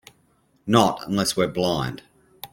Not unless we're blind.